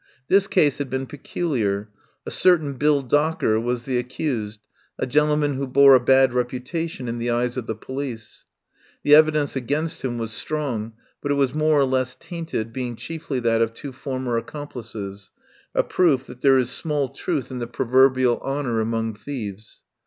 This case had been peculiar. A certain Bill Docker was the ac cused, a gentleman who bore a bad reputa tion in the eyes of the police. The evidence against him was strong, but it was more or less tainted, being chiefly that of two former accomplices — a proof that there is small truth in the proverbial honour among thieves.